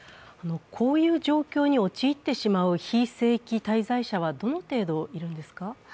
こういう状況に陥ってしまう非正規滞在者はどの程度いるんですか？